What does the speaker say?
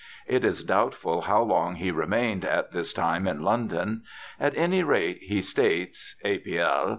It is doubtful how long he remained at this time in London ; at any rate he states {A. P. L.)